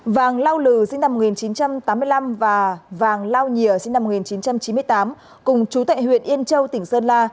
vàng lao lừ sinh năm một nghìn chín trăm tám mươi năm và vàng lao nhìa sinh năm một nghìn chín trăm chín mươi tám cùng chú tại huyện yên châu tỉnh sơn la